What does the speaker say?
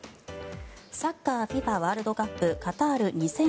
サッカーＦＩＦＡワールドカップカタール２０２２